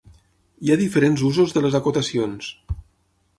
Hi ha diferents usos de les acotacions.